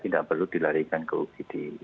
tidak perlu dilarikan ke ugd